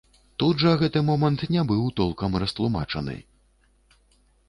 Тут жа гэты момант не быў толкам растлумачаны.